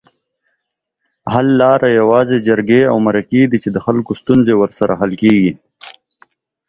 حل لاره یوازې جرګې اومرکي دي چي دخلګوستونزې ورسره حل کیږي